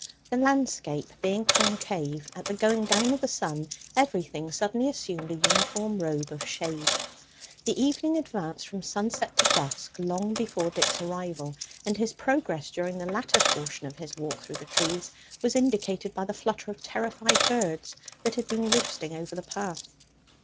The landscape being concave, at the going down of the sun everything suddenly assumed a uniform robe of shade. The evening advanced from sunset to dusk long before Dick's arrival, and his progress during the latter portion of his walk through the trees was indicated by the flutter of terrified birds that had been roosting over the path.